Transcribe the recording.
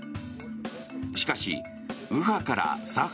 しかし右派から左派